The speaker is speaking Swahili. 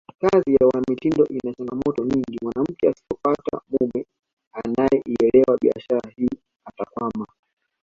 Kazi ya uanamitindo ina changamoto nyingi mwanamke asipopata mume anayeielewa biashara hii atakwama